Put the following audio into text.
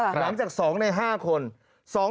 หลังจาก๒ใน๕คน